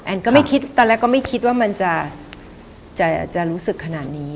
ก็ไม่คิดตอนแรกก็ไม่คิดว่ามันจะรู้สึกขนาดนี้